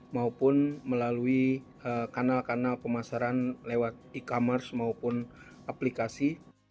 maupun melalui kanal kanal pemasaran lewat e commerce maupun aplikasi